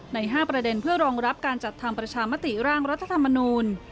ใน๕ประเด็นเพื่อรองรับการจัดทำประชามติร่างรัฐธรรมนูล